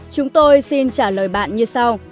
chúng tôi xin trả lời bạn như sau